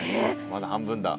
まだ半分だ。